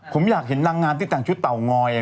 ผมอยากเห็นนางงามที่แต่งชุดเตางอย